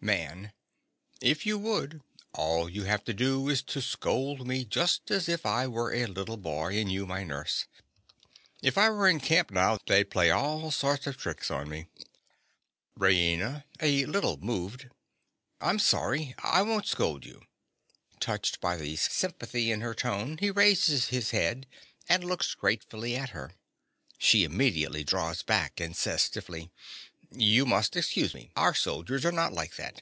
MAN. If you would, all you have to do is to scold me just as if I were a little boy and you my nurse. If I were in camp now they'd play all sorts of tricks on me. RAINA. (a little moved). I'm sorry. I won't scold you. (_Touched by the sympathy in her tone, he raises his head and looks gratefully at her: she immediately draws back and says stiffly_) You must excuse me: our soldiers are not like that.